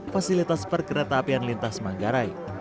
fasilitas perkereta apian lintas manggarai